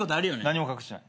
何も隠してない。